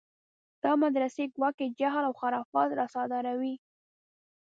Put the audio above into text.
دا مدرسې ګواکې جهل و خرافات راصادروي.